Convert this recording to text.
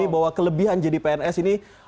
bahwa kelebihan jadi pns ini